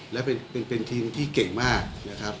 และเป็นทีมที่เก่งมากนะครับ